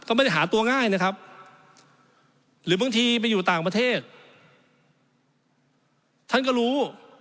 ก็ไม่ได้หาตัวง่ายนะครับหรือบางทีไปอยู่ต่างประเทศท่านก็รู้